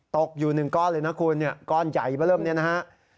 ตกอยู่หนึ่งก้อนเลยนะคุณก้อนใหญ่ว่าเริ่มนี้นะฮะ